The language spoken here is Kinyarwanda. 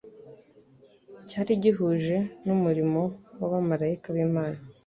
Cyari gihuje n’umurimo w’abamarayika b’Imana